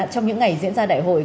trong những ngày diễn ra đại hội